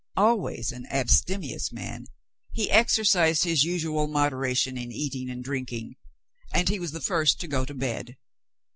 Always an abstemious man, he exercised his usual moderation in eating and drinking; and he was the first to go to bed.